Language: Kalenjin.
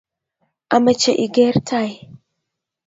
ameche igeer tai